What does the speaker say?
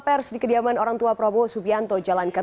terima kasih pak